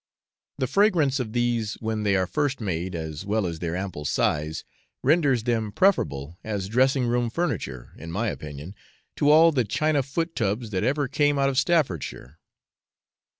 The fragrance of these when they are first made, as well as their ample size, renders them preferable as dressing room furniture, in my opinion, to all the china foot tubs that ever came out of Staffordshire.